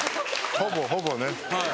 ほぼほぼね。